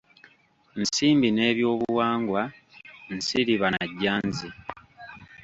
Nsimbi n’ebyobuwangwa nsiriba na jjanzi.